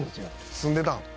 「住んでたん？